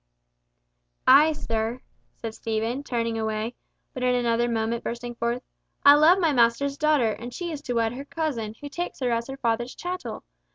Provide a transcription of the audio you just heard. "Ay, sir," said Stephen, turning away, but in another moment bursting forth, "I love my master's daughter, and she is to wed her cousin, who takes her as her father's chattel!